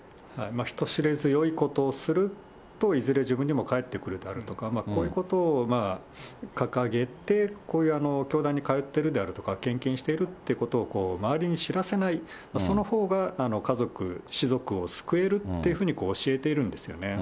人知れずよいことをすると、いずれ自分に返ってくるであるとか、こういうことを掲げて、こういう教団に通ってるであるとか、献金しているってことを周りに知らせない、そのほうが家族、支族を救えるっていうふうに教えているんですよね。